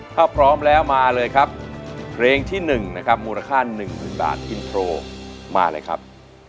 ถ้าพร้อมแล้วมาเลยครับเพลงที่๑นะครับมูลค่า๑๐๐๐บาทอินโทรมาเลยครับ